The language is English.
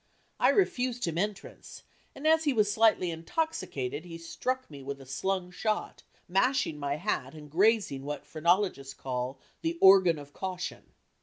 I refused him entrance; and as he was slightly intoxicated he struck me with a slung shot, mashing my hat and grazing what phrenologists call "the organ of caution."